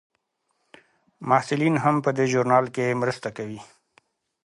محصلین هم په دې ژورنال کې مرسته کوي.